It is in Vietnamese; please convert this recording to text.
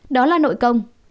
đó là nội công